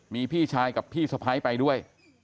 มีพี่ชายกับพี่สะพ้ายไปด้วย